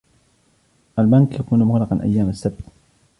البنك يكون مغلقاً أيام السبت.